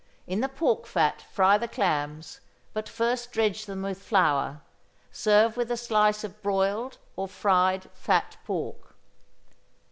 In the pork fat fry the clams, but first dredge them with flour. Serve with a slice of broiled or fried fat pork.